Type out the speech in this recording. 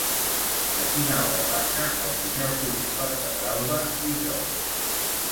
A quina hora passa el primer autobús per Pedralba dijous?